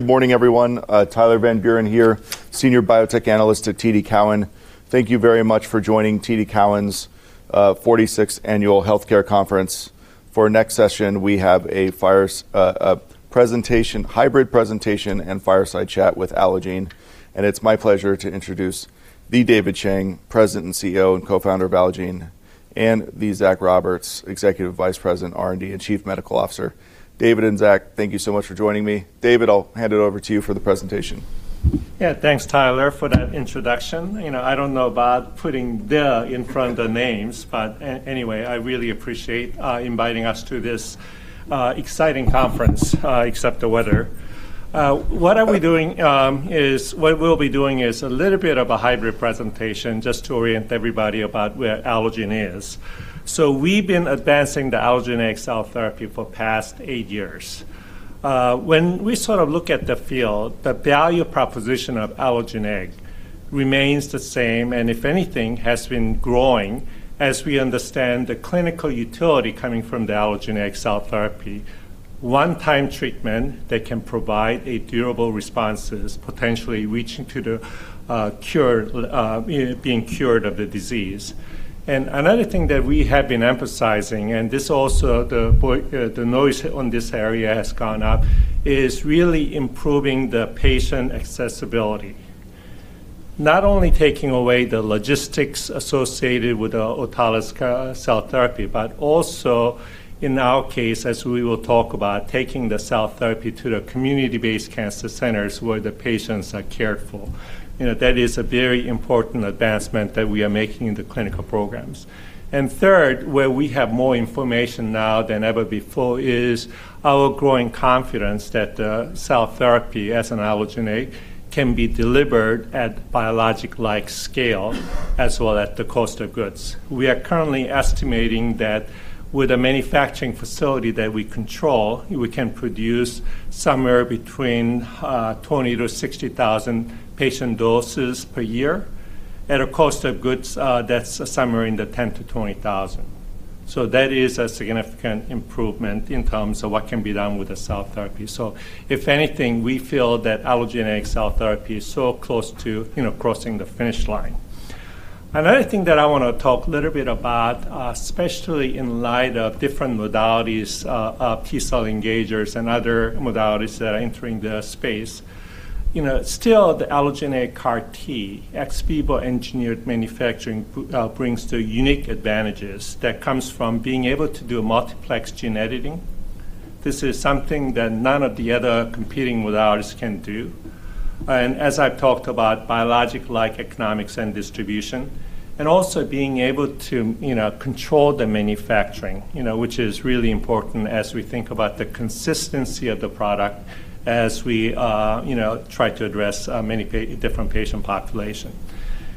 Good morning everyone. Tyler Van Buren here, Senior Biotech Analyst at TD Cowen. Thank you very much for joining TD Cowen's, 46th Annual Healthcare Conference. For our next session, we have a presentation, hybrid presentation and fireside chat with Allogene, and it's my pleasure to introduce the David Chang, President and CEO and Co-founder of Allogene, and the Zach Roberts, Executive Vice President, R&D, and Chief Medical Officer. David and Zach, thank you so much for joining me. David, I'll hand it over to you for the presentation. Yeah. Thanks, Tyler, for that introduction. You know, I don't know about putting "the" in front of names, but anyway, I really appreciate inviting us to this exciting conference, except the weather. What we'll be doing is a little bit of a hybrid presentation just to orient everybody about where Allogene is. We've been advancing the Allogene XL therapy for past eight years. When we sort of look at the field, the value proposition of Allogene remains the same, and if anything, has been growing as we understand the clinical utility coming from the Allogene XL therapy. One-time treatment that can provide a durable responses, potentially reaching to the cure, being cured of the disease. Another thing that we have been emphasizing, and this also the noise on this area has gone up, is really improving the patient accessibility. Not only taking away the logistics associated with the autologous cell therapy, but also in our case, as we will talk about, taking the cell therapy to the community-based cancer centers where the patients are cared for. You know, that is a very important advancement that we are making in the clinical programs. Third, where we have more information now than ever before is our growing confidence that the cell therapy as an allogeneic can be delivered at biologic-like scale as well as the cost of goods. We are currently estimating that with a manufacturing facility that we control, we can produce somewhere between 20,000-60,000 patient doses per year at a cost of goods that's somewhere in the $10,000-$20,000. That is a significant improvement in terms of what can be done with the cell therapy. If anything, we feel that allogeneic cell therapy is so close to, you know, crossing the finish line. Another thing that I wanna talk a little bit about, especially in light of different modalities, of T-cell engagers and other modalities that are entering the space. You know, still the allogeneic CAR-T, ex vivo engineered manufacturing brings to unique advantages that comes from being able to do multiplex gene editing. This is something that none of the other competing modalities can do. As I've talked about biologic-like economics and distribution, and also being able to, you know, control the manufacturing, you know, which is really important as we think about the consistency of the product, as we, you know, try to address many different patient population.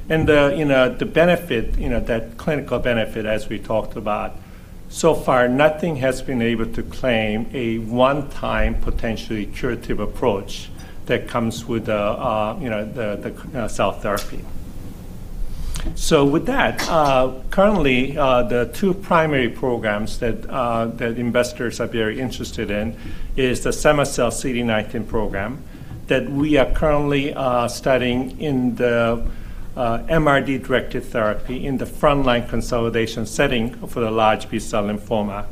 The, you know, the benefit, you know, that clinical benefit as we talked about, so far nothing has been able to claim a one-time potentially curative approach that comes with the, you know, the cell therapy. With that, currently, the two primary programs that investors are very interested in is the cema-cel CD19 program that we are currently studying in the MRD-directed therapy in the frontline consolidation setting for the large B-cell lymphoma,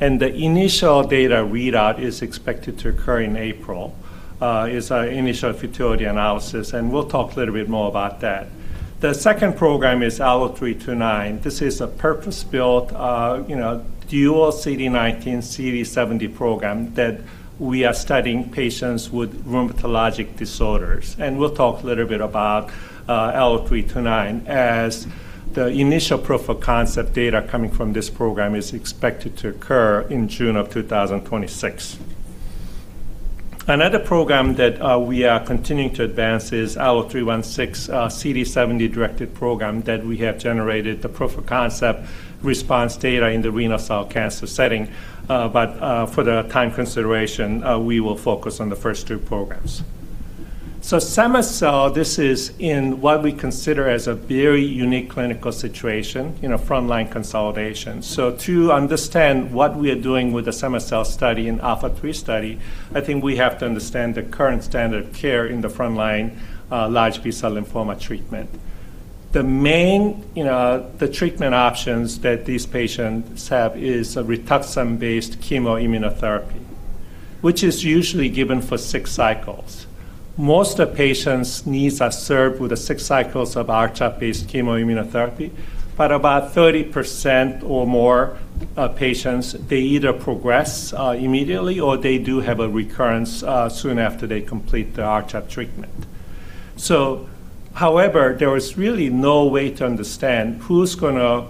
and the initial data readout is expected to occur in April, is our initial futility analysis, and we'll talk a little bit more about that. The second program is ALLO-329. This is a purpose-built, dual CD19, CD70 program that we are studying patients with rheumatologic disorders. We'll talk a little bit about ALLO-329 as the initial proof of concept data coming from this program is expected to occur in June of 2026. Another program that we are continuing to advance is ALLO-316, CD70 directed program that we have generated the proof of concept response data in the renal cell cancer setting. For the time consideration, we will focus on the first two programs. cema-cel, this is in what we consider as a very unique clinical situation, you know, frontline consolidation. To understand what we are doing with the cema-cel study and ALPHA3 study, I think we have to understand the current standard of care in the frontline large B-cell lymphoma treatment. The main, you know, the treatment options that these patients have is a Rituximab-based chemoimmunotherapy, which is usually given for six cycles. Most of patients' needs are served with the six cycles of R-CHOP based chemoimmunotherapy, but about 30% or more patients, they either progress immediately or they do have a recurrence soon after they complete the R-CHOP treatment. However, there is really no way to understand who's gonna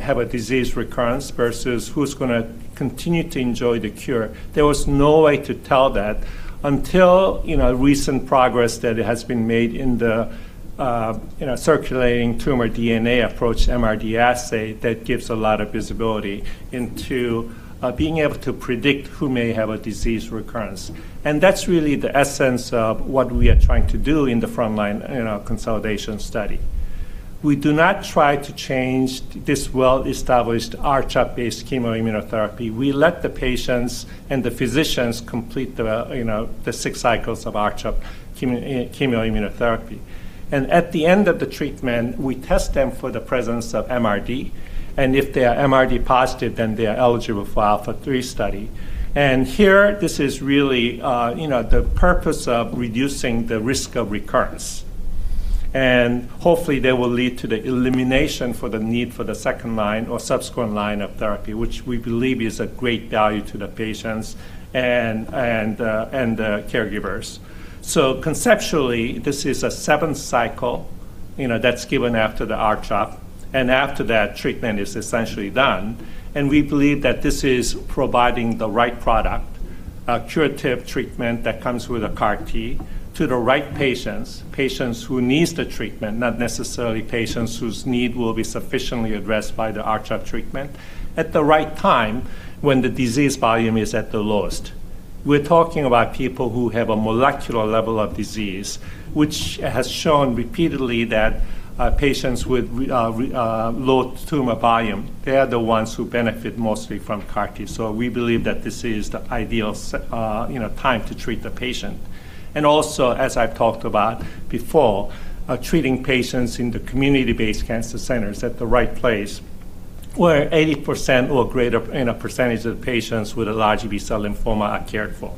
have a disease recurrence versus who's gonna continue to enjoy the cure. There was no way to tell that until, you know, recent progress that has been made in the, you know, circulating tumor DNA approach MRD assay that gives a lot of visibility into being able to predict who may have a disease recurrence. That's really the essence of what we are trying to do in the frontline, you know, consolidation study. We do not try to change this well-established R-CHOP-based chemoimmunotherapy. We let the patients and the physicians complete the, you know, the six cycles of R-CHOP chemoimmunotherapy. At the end of the treatment, we test them for the presence of MRD. If they are MRD positive, they are eligible for ALPHA3 study. Here, this is really, you know, the purpose of reducing the risk of recurrence. Hopefully, that will lead to the elimination for the need for the second line or subsequent line of therapy, which we believe is a great value to the patients and the caregivers. Conceptually, this is a seventh cycle, you know, that's given after the R-CHOP, and after that treatment is essentially done. We believe that this is providing the right product, a curative treatment that comes with a CAR T to the right patients who needs the treatment, not necessarily patients whose need will be sufficiently addressed by the R-CHOP treatment at the right time when the disease volume is at the lowest. We're talking about people who have a molecular level of disease, which has shown repeatedly that patients with low tumor volume, they are the ones who benefit mostly from CAR T. We believe that this is the ideal, you know, time to treat the patient. Also, as I've talked about before, treating patients in the community-based cancer centers at the right place, where 80% or greater, you know, percentage of patients with a large B-cell lymphoma are cared for.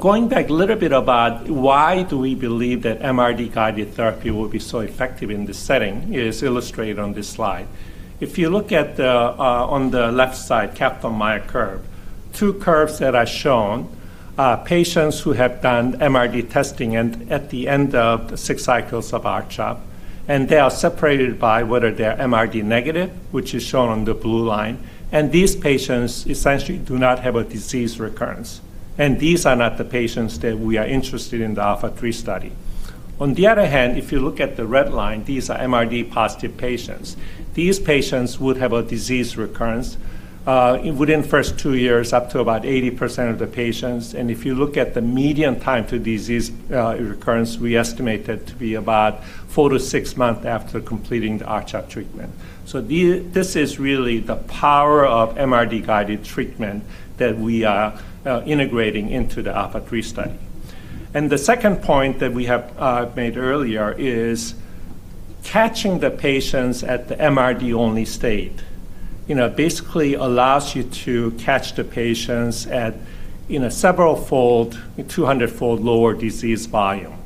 Going back a little bit about why do we believe that MRD-guided therapy will be so effective in this setting is illustrated on this slide. If you look at the on the left side, Kaplan-Meier curve, two curves that are shown, patients who have done MRD testing and at the end of the six cycles of R-CHOP, and they are separated by whether they're MRD negative, which is shown on the blue line. These patients essentially do not have a disease recurrence. These are not the patients that we are interested in the ALPHA3 study. On the other hand, if you look at the red line, these are MRD positive patients. These patients would have a disease recurrence, within first two years, up to about 80% of the patients. If you look at the median time to disease recurrence, we estimate that to be about four to six month after completing the R-CHOP treatment. This is really the power of MRD-guided treatment that we are integrating into the ALPHA3 study. The second point that we have made earlier is catching the patients at the MRD-only state, you know, basically allows you to catch the patients at, you know, several-fold, 200-fold lower disease volume.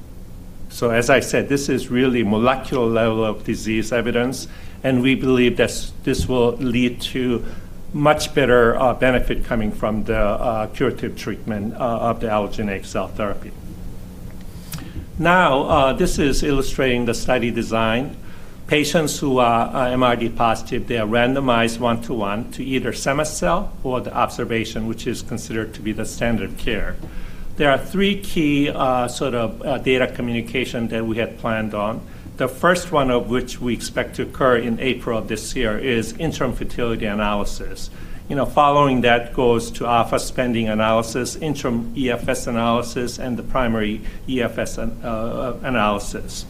As I said, this is really molecular level of disease evidence, and we believe this will lead to much better benefit coming from the curative treatment of the allogeneic cell therapy. This is illustrating the study design. Patients who are MRD positive, they are randomized one-one to either cema-cel or the observation, which is considered to be the standard care. There are 3 key, sort of, data communication that we had planned on. The first one of which we expect to occur in April of this year is interim futility analysis. You know, following that goes to office pending analysis, interim EFS analysis, and the primary EFS analysis.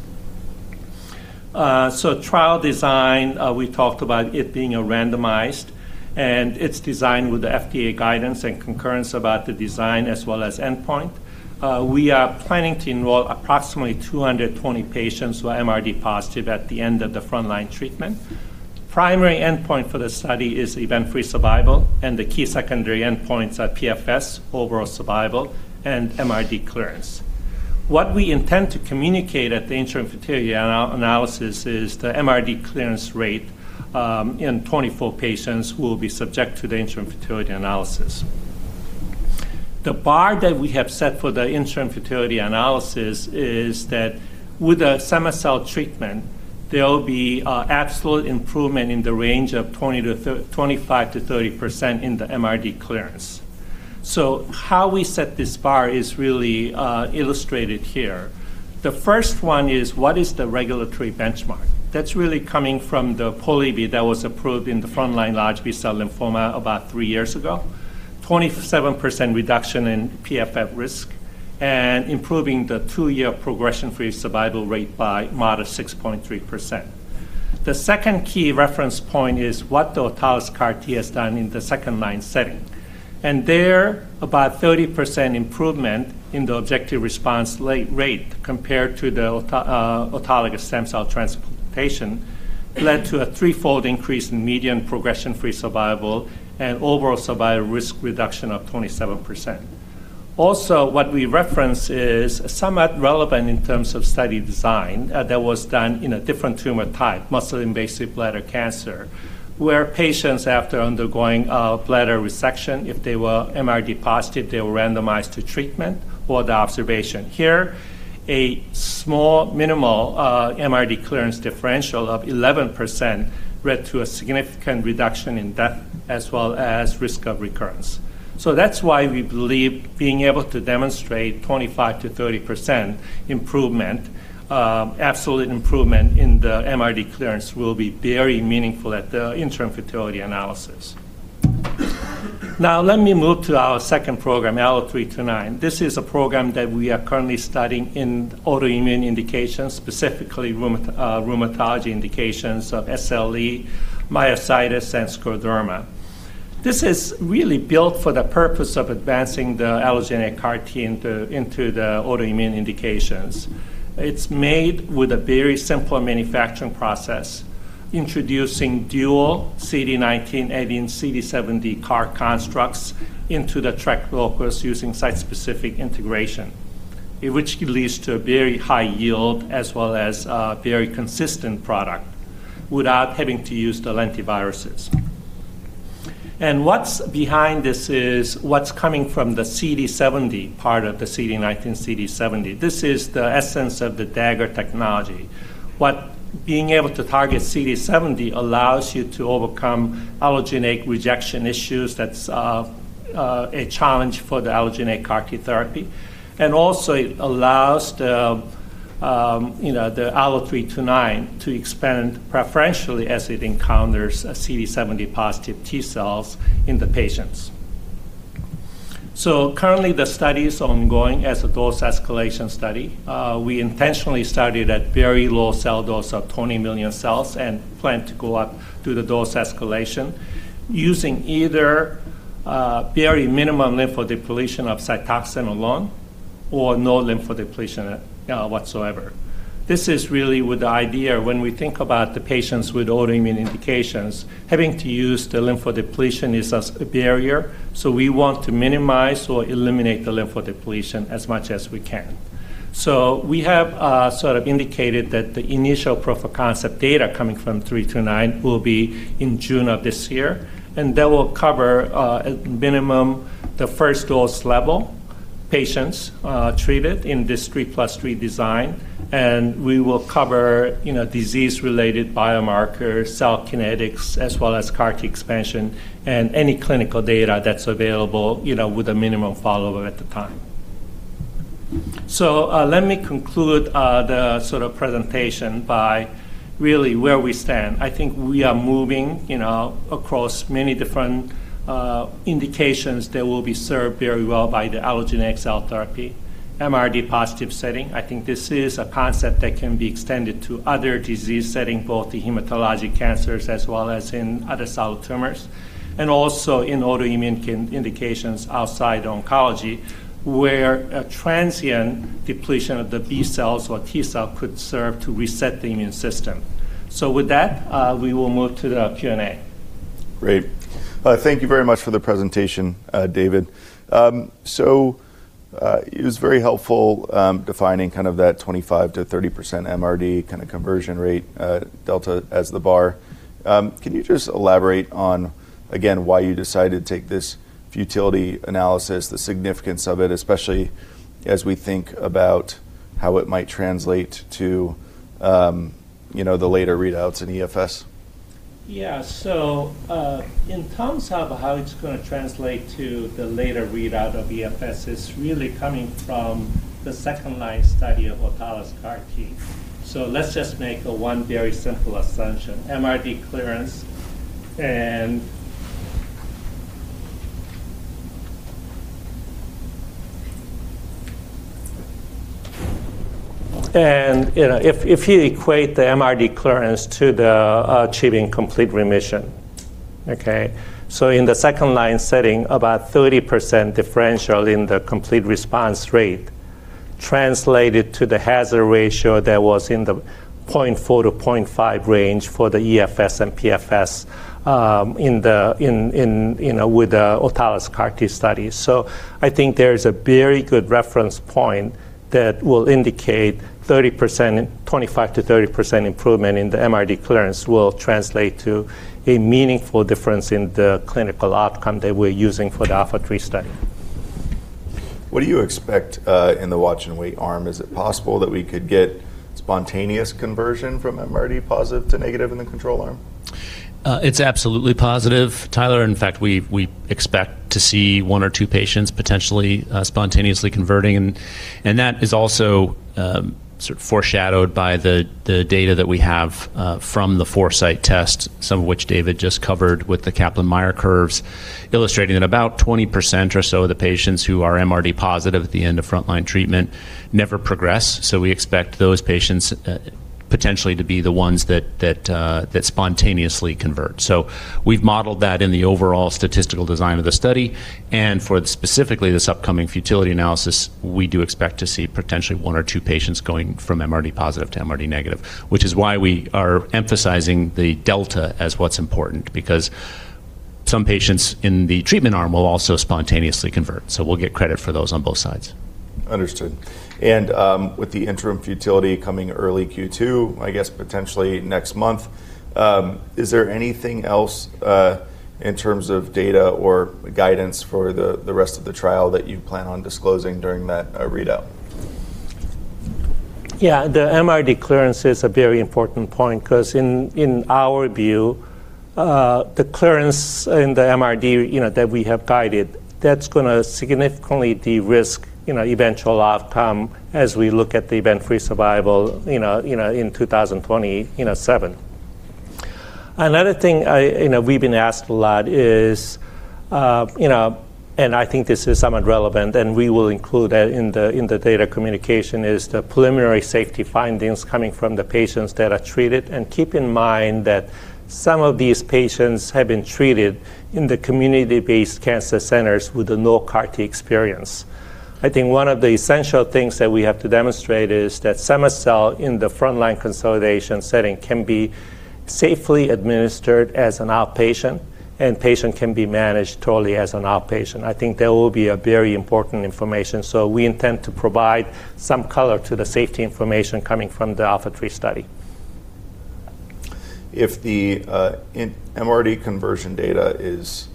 Trial design, we talked about it being a randomized, and it's designed with the FDA guidance and concurrence about the design as well as endpoint. We are planning to enroll approximately 220 patients who are MRD positive at the end of the frontline treatment. Primary endpoint for the study is event-free survival, and the key secondary endpoints are PFS, overall survival, and MRD clearance. What we intend to communicate at the interim futility analysis is the MRD clearance rate, in 24 patients will be subject to the interim futility analysis. The bar that we have set for the interim futility analysis is that with a cema-cel treatment, there'll be absolute improvement in the range of 25%-30% in the MRD clearance. How we set this bar is really, illustrated here. The first one is, what is the regulatory benchmark? That's really coming from the POLIVY that was approved in the frontline large B-cell lymphoma about three years ago. 27% reduction in PFS risk and improving the 2-year progression-free survival rate by moderate 6.3%. The second key reference point is what the autologous CAR T has done in the second-line setting. There, about 30% improvement in the objective response rate compared to the autologous stem cell transplantation led to a threefold increase in median Progression-Free Survival and Overall Survival risk reduction of 27%. What we reference is somewhat relevant in terms of study design, that was done in a different tumor type, muscle-invasive bladder cancer, where patients after undergoing a bladder resection, if they were MRD positive, they were randomized to treatment or the observation. Here, a small minimal MRD clearance differential of 11% led to a significant reduction in death as well as risk of recurrence. That's why we believe being able to demonstrate 25%-30% improvement, absolute improvement in the MRD clearance will be very meaningful at the interim futility analysis. Now let me move to our second program, ALLO-329. This is a program that we are currently studying in autoimmune indications, specifically rheumatology indications of SLE, myositis, and scleroderma. This is really built for the purpose of advancing the allogeneic CAR-T into the autoimmune indications. It's made with a very simple manufacturing process, introducing dual CD19 and CD70 CAR constructs into the TRAC locus using site-specific integration, which leads to a very high yield as well as a very consistent product without having to use the lentiviruses. What's behind this is what's coming from the CD70 part of the CD19, CD70. This is the essence of the Dagger technology. What being able to target CD70 allows you to overcome allogeneic rejection issues that's a challenge for the allogeneic CAR-T therapy. Also it allows the, you know, the ALLO-329 to expand preferentially as it encounters CD70 positive T-cells in the patients. Currently the study is ongoing as a dose escalation study. We intentionally started at very low cell dose of 20 million cells and plan to go up through the dose escalation using either very minimum lymphodepletion of Cytoxan alone or no lymphodepletion whatsoever. This is really with the idea when we think about the patients with autoimmune indications, having to use the lymphodepletion is as a barrier. We want to minimize or eliminate the lymphodepletion as much as we can. We have sort of indicated that the initial proof of concept data coming from 329 will be in June of this year, and that will cover at minimum the 1st dose level patients treated in this three plus three design. We will cover, you know, disease-related biomarkers, cell kinetics, as well as CAR-T expansion and any clinical data that's available, you know, with a minimum follow-up at the time. Let me conclude the sort of presentation by really where we stand. I think we are moving, you know, across many different indications that will be served very well by the allogeneic cell therapy MRD positive setting. I think this is a concept that can be extended to other disease setting, both the hematologic cancers as well as in other solid tumors, and also in autoimmune indications outside oncology, where a transient depletion of the B cells or T cell could serve to reset the immune system. With that, we will move to the Q&A. Great. Thank you very much for the presentation, David. It was very helpful, defining kind of that 25%-30% MRD kinda conversion rate delta as the bar. Can you just elaborate on again, why you decided to take this futility analysis, the significance of it, especially as we think about how it might translate to, you know, the later readouts in EFS? In terms of how it's gonna translate to the later readout of EFS is really coming from the second line study of autologous CAR-T. Let's just make one very simple assumption, MRD clearance and, you know, if you equate the MRD clearance to the achieving complete remission, okay? In the second line setting, about 30% differential in the complete response rate translated to the hazard ratio that was in the 0.4-0.5 range for the EFS and PFS, you know, with the autologous CAR-T study. I think there is a very good reference point that will indicate 30%, 25%-30% improvement in the MRD clearance will translate to a meaningful difference in the clinical outcome that we're using for the ALPHA3 study. What do you expect, in the watch and wait arm? Is it possible that we could get spontaneous conversion from MRD positive to negative in the control arm? It's absolutely positive, Tyler. In fact, we expect to see one or two patients potentially spontaneously converting and that is also sort of foreshadowed by the data that we have from the Foresight test, some of which David just covered with the Kaplan-Meier curves illustrating that about 20% or so of the patients who are MRD positive at the end of frontline treatment never progress. We expect those patients potentially to be the ones that spontaneously convert. We've modeled that in the overall statistical design of the study. For specifically this upcoming futility analysis, we do expect to see potentially one or two patients going from MRD positive to MRD negative, which is why we are emphasizing the delta as what's important because some patients in the treatment arm will also spontaneously convert, so we'll get credit for those on both sides. Understood. With the interim futility coming early Q2, I guess potentially next month, is there anything else in terms of data or guidance for the rest of the trial that you plan on disclosing during that readout? Yeah. The MRD clearance is a very important point 'cause in our view, the clearance in the MRD, you know, that we have guided, that's gonna significantly de-risk, you know, eventual outcome as we look at the event-free survival, you know, in 2027. Another thing I, you know, we've been asked a lot is, you know, and I think this is somewhat relevant, and we will include that in the, in the data communication, is the preliminary safety findings coming from the patients that are treated. Keep in mind that some of these patients have been treated in the community-based cancer centers with the no CAR T experience. I think one of the essential things that we have to demonstrate is that cema-cel in the frontline consolidation setting can be safely administered as an outpatient, and patient can be managed totally as an outpatient. I think that will be a very important information. We intend to provide some color to the safety information coming from the ALPHA3 study. If the, in MRD conversion data is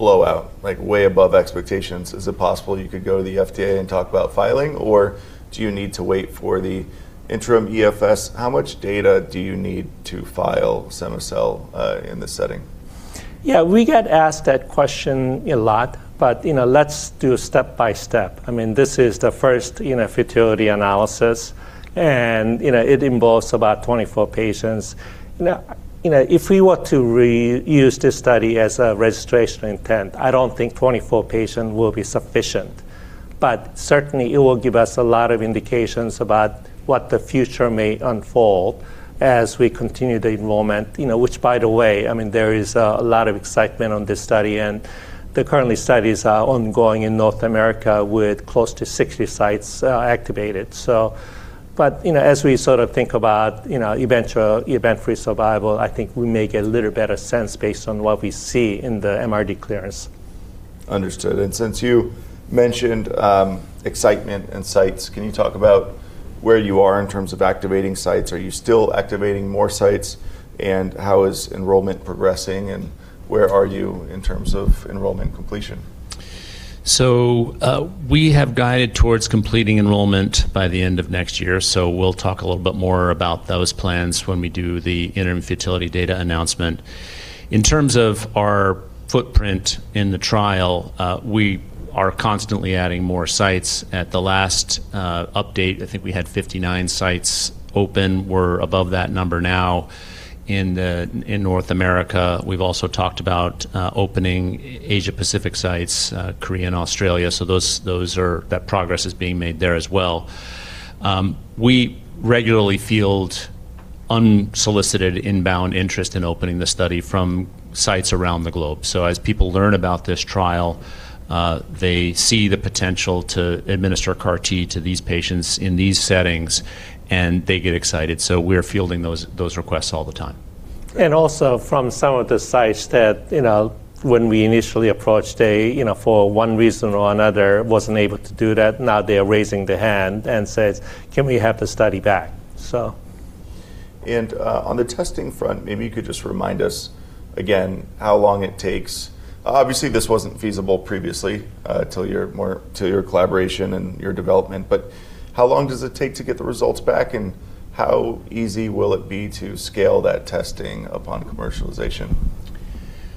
blowout, like way above expectations, is it possible you could go to the FDA and talk about filing, or do you need to wait for the interim EFS? How much data do you need to file cema-cel, in this setting? Yeah, we get asked that question a lot, but, you know, let's do step by step. I mean, this is the first, you know, futility analysis and, you know, it involves about 24 patients. Now, you know, if we were to reuse this study as a registration intent, I don't think 24 patient will be sufficient. Certainly it will give us a lot of indications about what the future may unfold as we continue the enrollment. You know, which by the way, I mean, there is a lot of excitement on this study, and the currently studies are ongoing in North America with close to 60 sites activated. As we sort of think about, you know, eventual event-free survival, I think we make a little better sense based on what we see in the MRD clearance. Understood. Since you mentioned excitement and sites, can you talk about where you are in terms of activating sites? Are you still activating more sites, and how is enrollment progressing, and where are you in terms of enrollment completion? We have guided towards completing enrollment by the end of next year, so we'll talk a little bit more about those plans when we do the interim futility data announcement. In terms of our footprint in the trial, we are constantly adding more sites. At the last update, I think we had 59 sites open. We're above that number now in North America. We've also talked about opening Asia Pacific sites, Korea and Australia. That progress is being made there as well. We regularly field unsolicited inbound interest in opening the study from sites around the globe. As people learn about this trial, they see the potential to administer CAR T to these patients in these settings, and they get excited. We're fielding those requests all the time. Also from some of the sites that, you know, when we initially approached, they, you know, for one reason or another, wasn't able to do that. Now they're raising their hand and says, "Can we have the study back? On the testing front, maybe you could just remind us again how long it takes. Obviously, this wasn't feasible previously, till your collaboration and your development. How long does it take to get the results back, and how easy will it be to scale that testing upon commercialization?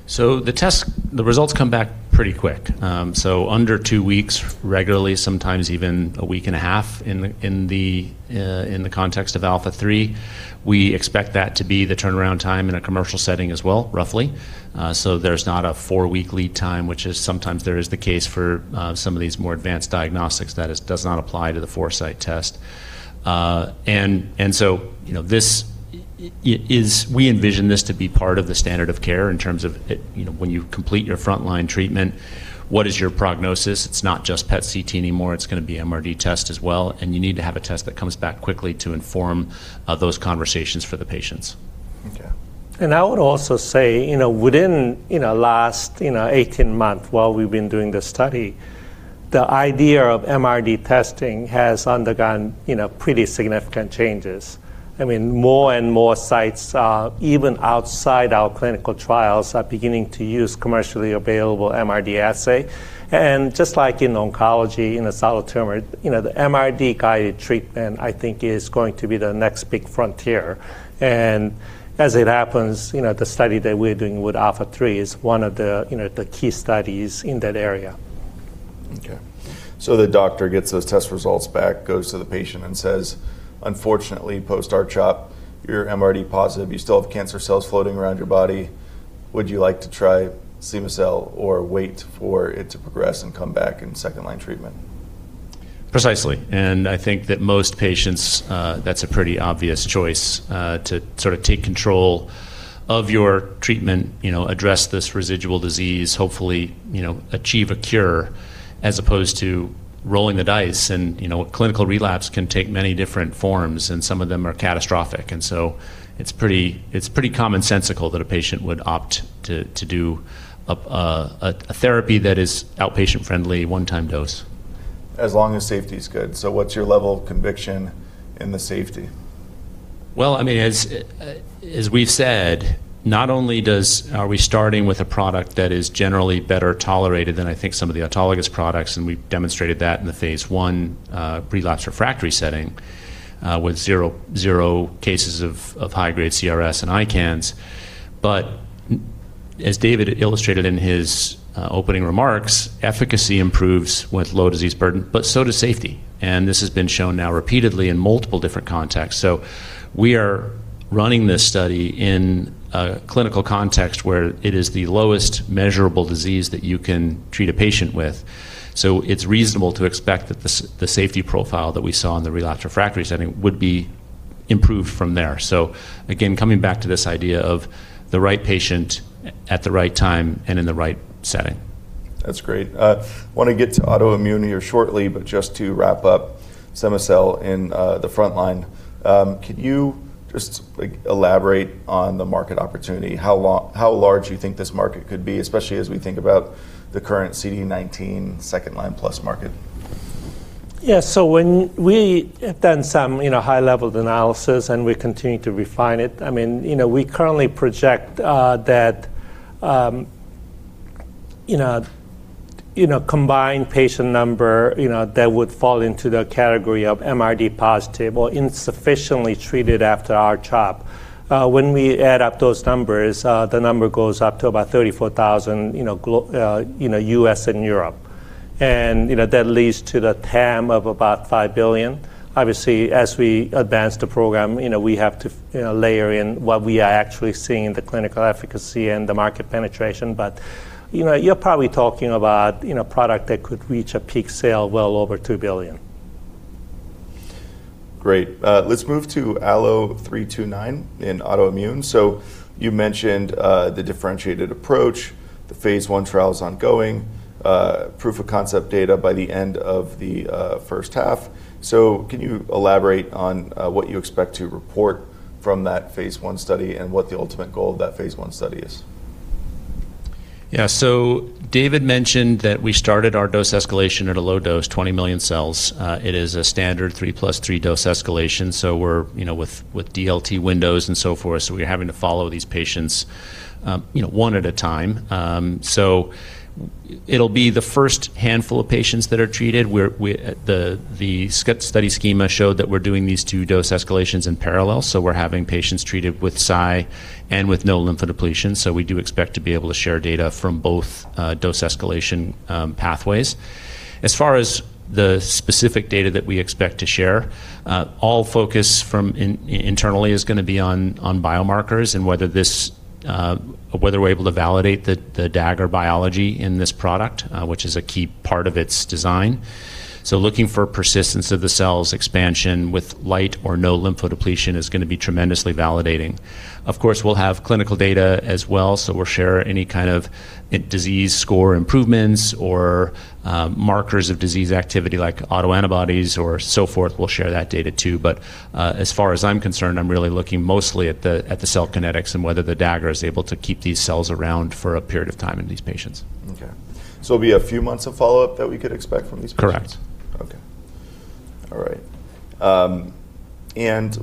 The results come back pretty quick. Under two weeks regularly, sometimes even 1.5 weeks in the context of ALPHA3. We expect that to be the turnaround time in a commercial setting as well, roughly. There's not a four week lead time, which is sometimes there is the case for some of these more advanced diagnostics. That does not apply to the Foresight test. You know, we envision this to be part of the standard of care in terms of it, you know, when you complete your frontline treatment, what is your prognosis? It's not just PET CT anymore. It's gonna be MRD test as well, and you need to have a test that comes back quickly to inform those conversations for the patients. Okay. I would also say, you know, within, you know, last, you know, 18 months while we've been doing this study, the idea of MRD testing has undergone, you know, pretty significant changes. I mean, more and more sites, even outside our clinical trials, are beginning to use commercially available MRD assay. Just like in oncology, in a solid tumor, you know, the MRD-guided treatment, I think, is going to be the next big frontier. As it happens, you know, the study that we're doing with ALPHA3 is one of the, you know, the key studies in that area. The doctor gets those test results back, goes to the patient and says, "Unfortunately, post R-CHOP, you're MRD positive. You still have cancer cells floating around your body. Would you like to try cema-cel or wait for it to progress and come back in second-line treatment? Precisely. I think that most patients, that's a pretty obvious choice, to sort of take control of your treatment, you know, address this residual disease, hopefully, you know, achieve a cure, as opposed to rolling the dice. You know, clinical relapse can take many different forms, and some of them are catastrophic. It's pretty, it's pretty commonsensical that a patient would opt to do a therapy that is outpatient-friendly, one-time dose. As long as safety is good. What's your level of conviction in the safety? Well, I mean, as as we've said, not only are we starting with a product that is generally better tolerated than I think some of the autologous products, and we've demonstrated that in the phase I relapse refractory setting with 0 cases of high-grade CRS and ICANS, as David illustrated in his opening remarks, efficacy improves with low disease burden, but so does safety. This has been shown now repeatedly in multiple different contexts. We are running this study in a clinical context where it is the lowest measurable disease that you can treat a patient with. It's reasonable to expect that the safety profile that we saw in the relapsed refractory setting would be improved from there. Again, coming back to this idea of the right patient at the right time and in the right setting. That's great. Wanna get to autoimmune here shortly, but just to wrap up cema-cel in the frontline, could you just like elaborate on the market opportunity? How large you think this market could be, especially as we think about the current CD19 second-line plus market? Yeah. When we have done some, you know, high-level analysis and we continue to refine it, I mean, you know, we currently project that, you know, combined patient number, you know, that would fall into the category of MRD positive or insufficiently treated after R-CHOP. When we add up those numbers, the number goes up to about 34,000, you know, US and Europe. You know, that leads to the TAM of about $5 billion. Obviously, as we advance the program, you know, we have to, you know, layer in what we are actually seeing in the clinical efficacy and the market penetration. You know, you're probably talking about, you know, product that could reach a peak sale well over $2 billion. Great. let's move to ALLO-329 in autoimmune. You mentioned, the differentiated approach, the phase I trial's ongoing, proof of concept data by the end of the first half. Can you elaborate on what you expect to report from that phase I study and what the ultimate goal of that phase I study is? Yeah. David mentioned that we started our dose escalation at a low dose, 20 million cells. It is a standard three plus three dose escalation, we're, you know, with DLT windows and so forth, we're having to follow these patients, you know, one at a time. It'll be the first handful of patients that are treated. The study schema showed that we're doing these two dose escalations in parallel, we're having patients treated with Cy and with no lymphodepletion. We do expect to be able to share data from both dose escalation pathways. As far as the specific data that we expect to share, all focus from internally is gonna be on biomarkers and whether this, whether we're able to validate the Dagger biology in this product, which is a key part of its design. Looking for persistence of the cells expansion with light or no lymphodepletion is gonna be tremendously validating. Of course, we'll have clinical data as well, we'll share any kind of disease score improvements or markers of disease activity like autoantibodies or so forth. We'll share that data too. As far as I'm concerned, I'm really looking mostly at the cell kinetics and whether the Dagger is able to keep these cells around for a period of time in these patients. Okay. It'll be a few months of follow-up that we could expect from these patients? Correct. Okay. All right.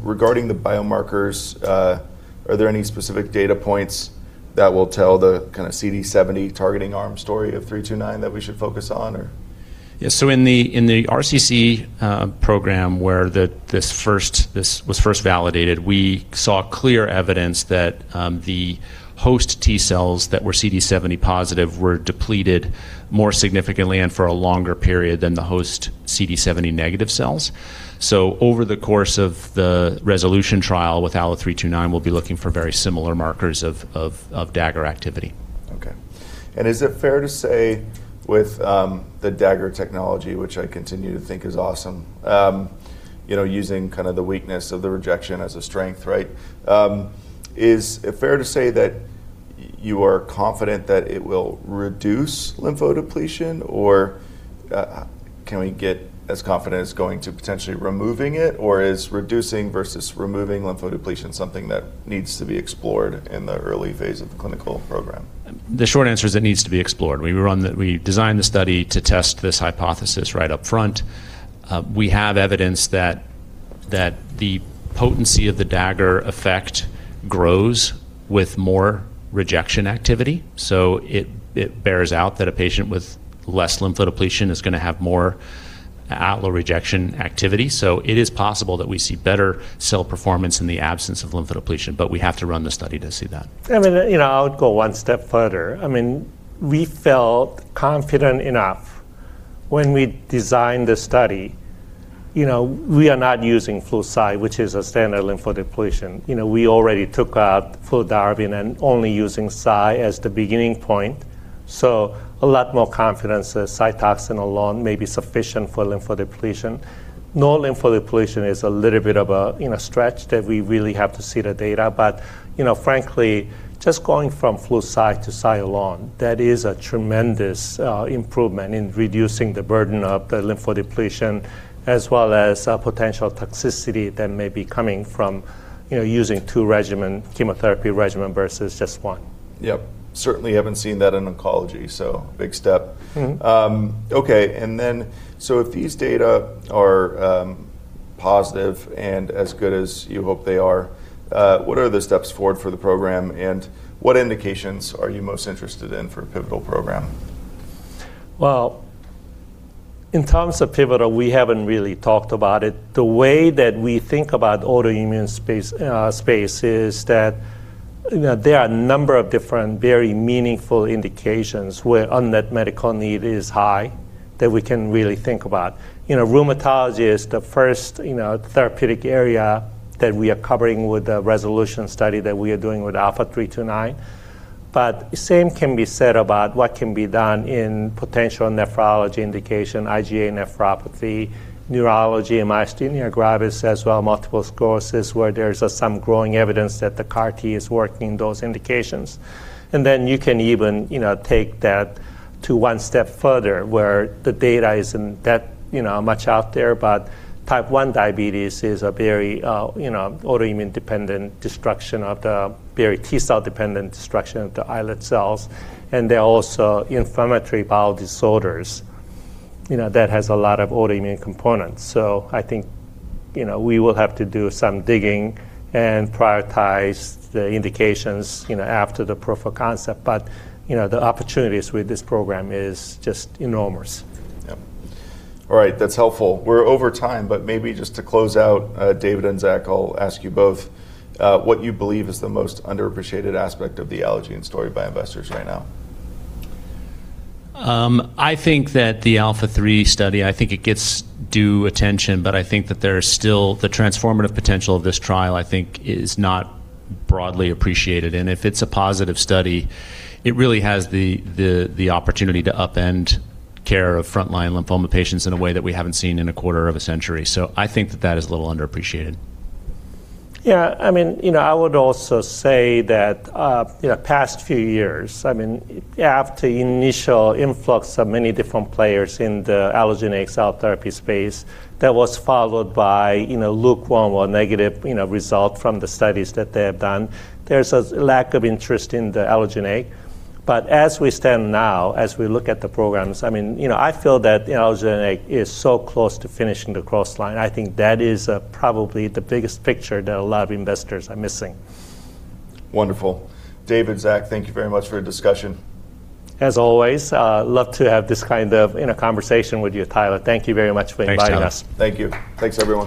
Regarding the biomarkers, are there any specific data points that will tell the kinda CD70 targeting arm story of 329 that we should focus on or? Yeah. In the RCC program where this was first validated, we saw clear evidence that the host T-cells that were CD70 positive were depleted more significantly and for a longer period than the host CD70 negative cells. Over the course of the RESOLUTION trial with ALLO-329, we'll be looking for very similar markers of Dagger activity. Okay. Is it fair to say with the Dagger technology, which I continue to think is awesome, you know, using kinda the weakness of the rejection as a strength, right? Is it fair to say that you are confident that it will reduce lymphodepletion? Or can we get as confident it's going to potentially removing it? Or is reducing versus removing lymphodepletion something that needs to be explored in the early phase of the clinical program? The short answer is it needs to be explored. We designed the study to test this hypothesis right up front. We have evidence that the potency of the Dagger effect grows with more rejection activity, so it bears out that a patient with less lymphodepletion is gonna have more allogeneic rejection activity. It is possible that we see better cell performance in the absence of lymphodepletion, but we have to run the study to see that. I mean, you know, I would go one step further. I mean, we felt confident enough when we designed the study, you know, we are not using Flu/Cy, which is a standard lymphodepletion. You know, we already took out Fludarabine and only using Cy as the beginning point. A lot more confidence that Cytoxan alone may be sufficient for lymphodepletion. No lymphodepletion is a little bit of a, you know, stretch that we really have to see the data. You know, frankly, just going from Flu/Cy to Cy alone, that is a tremendous improvement in reducing the burden of the lymphodepletion, as well as potential toxicity that may be coming from, you know, using two regimen, chemotherapy regimen versus just one. Yep. Certainly haven't seen that in oncology, so big step. Mm-hmm. Okay. If these data are positive and as good as you hope they are, what are the steps forward for the program, and what indications are you most interested in for a pivotal program? Well, in terms of pivotal, we haven't really talked about it. The way that we think about autoimmune space is that, you know, there are a number of different, very meaningful indications where unmet medical need is high that we can really think about. You know, rheumatology is the first, you know, therapeutic area that we are covering with the RESOLUTION study that we are doing with ALLO-329. Same can be said about what can be done in potential nephrology indication, IgA nephropathy, neurology, myasthenia gravis as well, multiple sclerosis, where there is some growing evidence that the CAR T is working those indications. You can even, you know, take that to one step further, where the data isn't that, you know, much out there, bu type 1 diabetes is a verty, you know, autoimmune dependent destruction of the T cell dependent destruction of the islet cells. There are also inflammatory bowel disease, you know, that has a lot of autoimmune components. I think, you know, we will have to do some digging and prioritize the indications, you know, after the proof of concept. You know, the opportunities with this program is just enormous. Yep. All right. That's helpful. We're over time, but maybe just to close out, David and Zach, I'll ask you both, what you believe is the most underappreciated aspect of the Allogene story by investors right now. I think that the ALPHA3 study, I think it gets due attention, but I think that there is still the transformative potential of this trial, I think is not broadly appreciated. If it's a positive study, it really has the opportunity to upend care of frontline lymphoma patients in a way that we haven't seen in a quarter of a century. I think that that is a little underappreciated. Yeah, I mean, you know, I would also say that, you know, past few years, I mean, after initial influx of many different players in the Allogene cell therapy space that was followed by, you know, lukewarm or negative, you know, result from the studies that they have done. There's a lack of interest in the Allogene. As we stand now, as we look at the programs, I mean, you know, I feel that Allogene is so close to finishing the cross line. I think that is probably the biggest picture that a lot of investors are missing. Wonderful. David, Zach, thank you very much for your discussion. As always, love to have this kind of inner conversation with you, Tyler. Thank you very much for inviting us. Thanks, Tyler. Thank you. Thanks, everyone.